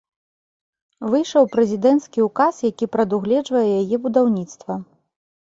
Выйшаў прэзідэнцкі ўказ, які прадугледжвае яе будаўніцтва.